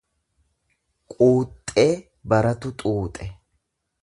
Quuxxee baratu xuuxe.